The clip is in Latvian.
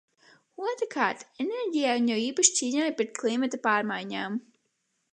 Otrkārt, enerģijai, un jo īpaši cīņai pret klimata pārmaiņām.